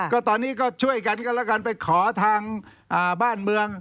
ก็ตอนนี้ก็ช่วยกันก็แล้วกันไปขอทางบ้านเมือง